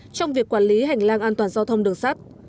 trong việc quản lý hành lang an toàn giao thông đường sắt